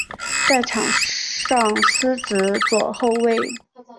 在场上司职左后卫。